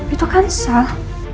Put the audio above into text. itu kan salah